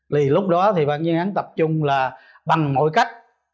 thì lúc đó thì bản chuyên án tập trung là bằng mọi cách